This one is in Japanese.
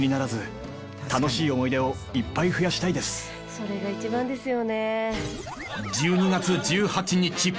それが一番ですよね。